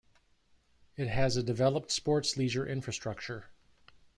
It has a developed sports-leisure infrastructure.